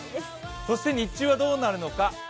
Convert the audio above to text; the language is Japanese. そして日中はどうなるのか。